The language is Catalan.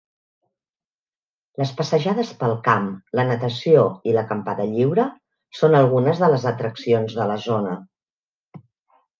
Les passejades pel camp, la natació i l'acampada lliure són algunes de les atraccions de la zona.